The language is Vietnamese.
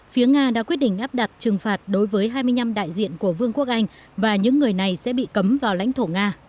phía nga đã quyết định áp đặt trừng phạt đối với hai mươi năm đại diện của vương quốc anh và những người này sẽ bị cấm vào lãnh thổ nga